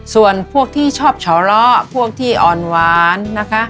ส่วนพวกที่ชอบฉอเลาะพวกที่อ่อนหวาน